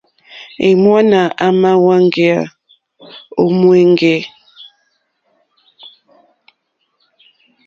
Èŋwánà àmà wáŋgéyà ó ŋwɛ̀ŋgɛ̀.